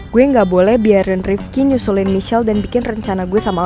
gue gak boleh biarin rifki nyusulin michelle dan bikin rencana gue sama al